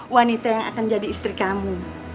wanita yang akan jadi istri kamu